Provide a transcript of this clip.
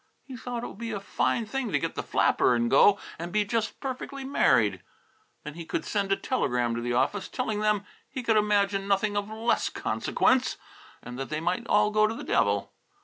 He thought it would be a fine thing to get the flapper and go and be just perfectly married. Then he could send a telegram to the office, telling them he could imagine nothing of less consequence, and that they might all go to the devil.